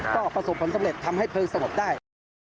ก็ประสบผลสำเร็จทำให้เพลิงสงบได้